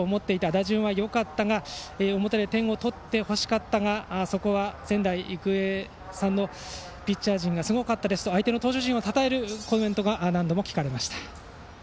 打順はよかったが表で点を取って欲しかったがあそこは仙台育英さんのピッチャー陣がすごかったですと相手の投手陣をたたえるコメントが何度も聞かれました。